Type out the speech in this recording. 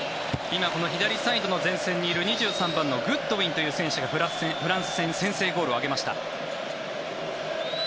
今、この左サイドの前線にいる２３番のグッドウィンという選手がフランス戦先制ゴールを挙げました。